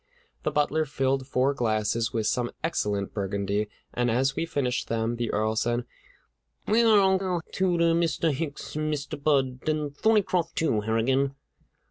The butler filled four glasses with some excellent Burgundy, and as we finished them, the Earl said: "Where are Uncle Tooter, Mr. Hicks, and Mr. Budd, and Thorneycroft, too, Harrigan?"